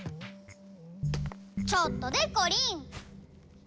ちょっとでこりん！